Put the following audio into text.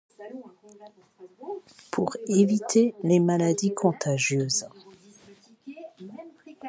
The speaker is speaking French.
Pour éviter les maladies contagieuses.